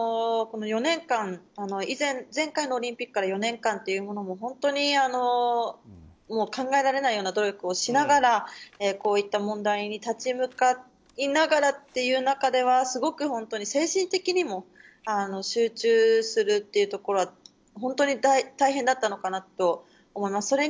前回のオリンピックから４年間というものも本当に考えられないような努力をしながら、こういった問題に立ち向かいながらという中では精神的にも集中するっていうところは本当に大変だったのかなと思います。